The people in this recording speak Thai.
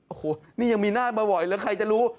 โอ้โหนี่ยังมีหน้ามาบ่อยแล้วใครจะรู้